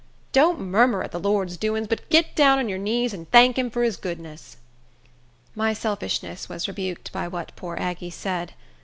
Don't murmur at de Lord's doings but git down on your knees and tank him for his goodness." My selfishness was rebuked by what poor Aggie said.